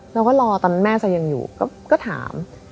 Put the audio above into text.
เราก็รอตอนแม่ชายยังอยู่ก็ถาม